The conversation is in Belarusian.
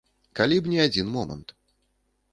Калі б не адзін момант.